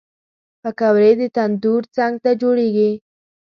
پکورې د تندور څنګ ته جوړېږي